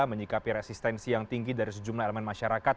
menyikapi resistensi yang tinggi dari sejumlah elemen masyarakat